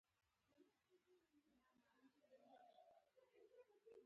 مچمچۍ یو کوچنی خو ګټور مخلوق دی